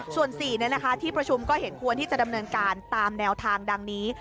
ส่วน๔ที่ประชุมก็เห็นควรที่จะดำเนินการตามแนวทางดังนี้